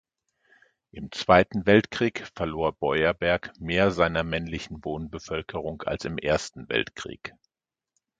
Im Zweiten Weltkrieg verlor Beuerberg mehr seiner männlichen Wohnbevölkerung als im Ersten Weltkrieg.